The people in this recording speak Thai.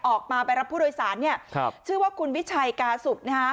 ออกไปรับผู้โดยสารเนี่ยครับชื่อว่าคุณวิชัยกาสุกนะฮะ